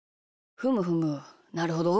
ふむふむなるほど。